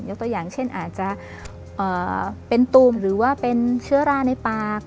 ตัวอย่างเช่นอาจจะเป็นตูมหรือว่าเป็นเชื้อราในปาก